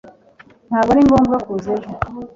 Ntabwo ari ngombwa kuza ejo